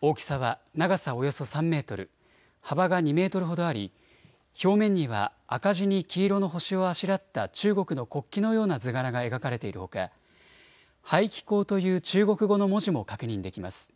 大きさは長さおよそ３メートル、幅が２メートルほどあり表面には赤地に黄色の星をあしらった中国の国旗のような図柄が描かれているほか排気孔という中国語の文字も確認できます。